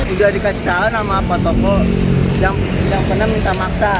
udah dikasih tahu sama pak toko yang pernah minta maksa